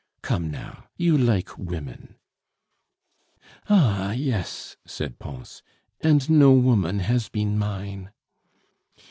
Come, now, you like women." "Ah, yes," said Pons, "and no woman has been mine."